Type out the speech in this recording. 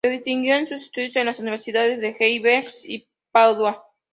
Se distinguió en sus estudios en las Universidades de Heidelberg y Padua.